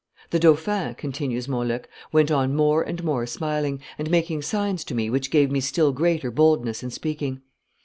The dauphin," continues Montluc, "went on more and more smiling, and making signs to me, which gave me still greater boldness in speaking.